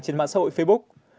trên mạng xã hội facebook